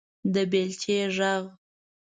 _د بېلچې غږ